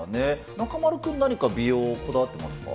中丸君、何か美容、こだわってますか。